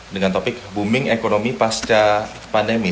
dengan topik booming ekonomi pasca pandemi